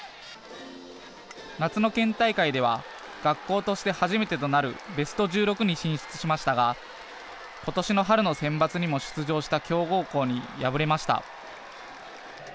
夏の県大会では学校として初めてとなるベスト１６に進出しましたがことしの春のセンバツにも出場した強豪校に敗れました。